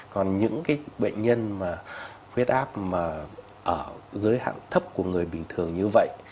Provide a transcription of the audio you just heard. còn những cái bệnh nhân mà huyết áp mà ở giới hạn thấp của người bình thường như vậy